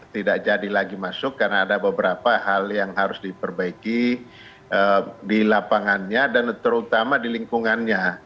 tidak jadi lagi masuk karena ada beberapa hal yang harus diperbaiki di lapangannya dan terutama di lingkungannya